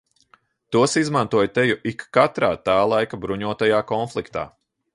Tos izmantoja teju ikkatrā tā laika bruņotajā konfliktā.